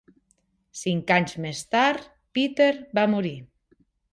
Cinc anys més tard, Peter va morir.